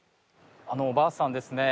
あのおばあさんですね